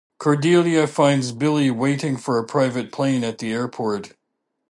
Cordelia finds Billy waiting for a private plane at the airport.